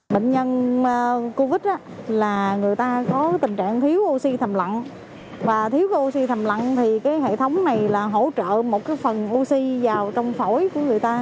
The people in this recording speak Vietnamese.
bệnh nhân covid là người ta có tình trạng thiếu oxy thầm lặn và thiếu cái oxy thầm lặn thì cái hệ thống này là hỗ trợ một cái phần oxy vào trong phổi của người ta